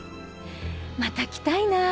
また来たいなぁ